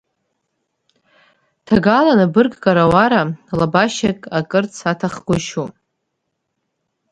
Ҭагалан абырг карауара, лабашьак акырц аҭахгәышьоуп.